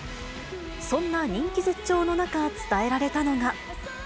そんな人気絶頂の中、伝えられたのが。